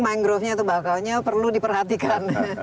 mangrovenya atau bakaunya perlu diperhatikan